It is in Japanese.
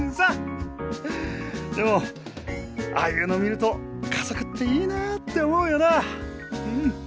でもああいうの見ると家族っていいなって思うよなあうん。